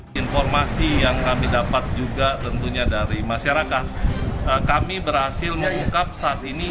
hai informasi yang kami dapat juga tentunya dari masyarakat kami berhasil mengungkap saat ini